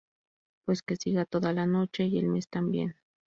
Pues que siga toda la noche y el mes también